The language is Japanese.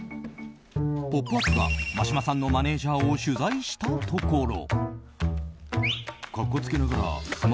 「ポップＵＰ！」が眞島さんのマネジャーを取材したところ。